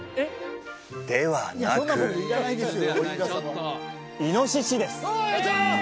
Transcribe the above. ではなくイノシシです！